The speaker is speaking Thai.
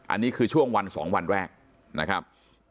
อันนี้คือช่วงวัน๒วันแรกนะครับ